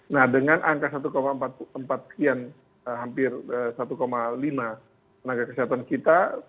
nah dengan angka satu empat sekian hampir satu lima tenaga kesehatan kita